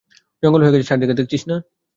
জঙ্গল হয়ে গেছে চারদিকে, দেখছিস না?